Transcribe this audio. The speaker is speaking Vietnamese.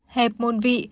hẹp môn vị